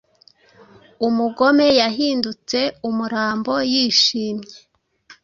Umugome yahindutse umurambo yishimye